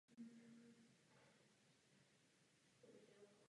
Do kasáren se obvykle umisťuje personál k výkonu služby nebo pro výcvik.